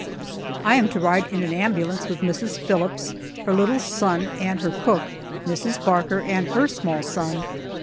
I am to ride in an ambulance with Mrs. Phillips, her little son and her cook, Mrs. Barker and her small son.